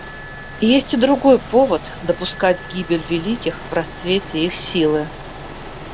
Есть и другой повод допускать гибель великих в расцвете их силы.